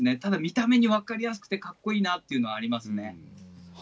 ただ、見た目に分かりやすくて、かっこいいなというのはありますね。